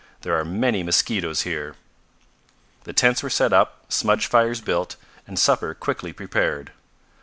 "There are many mosquitoes here." The tents were set up, smudge fires built and supper quickly prepared.